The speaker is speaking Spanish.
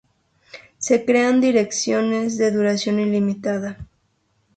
Se crean direcciones de duración ilimitada